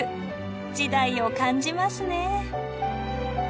時代を感じますね。